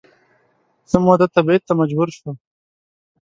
څه موده تبعید ته مجبور شو